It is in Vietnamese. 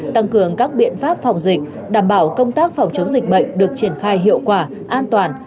tăng cường các biện pháp phòng dịch đảm bảo công tác phòng chống dịch bệnh được triển khai hiệu quả an toàn